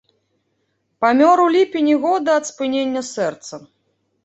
Памёр у ліпені года ад спынення сэрца.